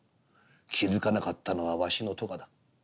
気付かなかったのはわしの咎だ。